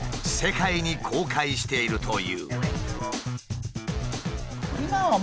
世界に公開しているという。